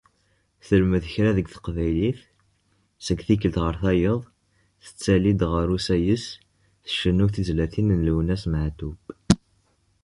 Telmed kra deg Teqbaylit, seg tikkelt ɣer tayeḍ, tettali-d ɣer usayes, tcennu tizlatin n Lwennas Meɛtub.